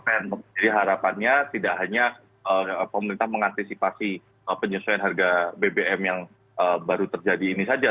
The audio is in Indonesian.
jadi harapannya tidak hanya pemerintah mengantisipasi penyesuaian harga bbm yang baru terjadi ini saja